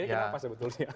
ini kenapa sebetulnya